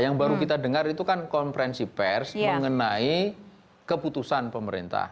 yang baru kita dengar itu kan konferensi pers mengenai keputusan pemerintah